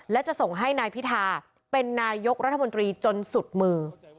และจะส่งให้นายพิธาเป็นนายกรัฐมนตรีจนสุดมือ